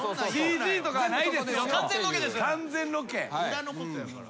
裏のことやから。